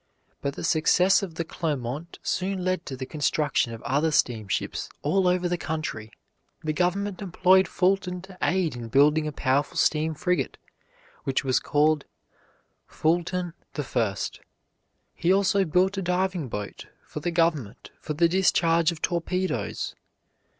But the success of the Clermont soon led to the construction of other steamships all over the country. The government employed Fulton to aid in building a powerful steam frigate, which was called Fulton the First. He also built a diving boat for the government for the discharge of torpedoes.